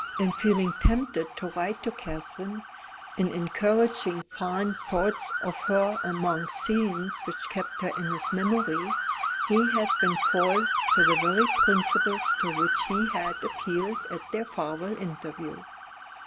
In feeling tempted to write to Catherine in encouraging fond thoughts of her among scenes which kept her in his memory he had been false to the very principles to which he had appealed at their farewell interview.